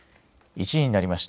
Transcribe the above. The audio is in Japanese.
１時になりました。